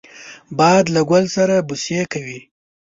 باد له ګل سره بوسې کوي